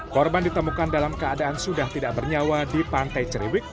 korban ditemukan dalam keadaan sudah tidak bernyawa di pantai ceriwik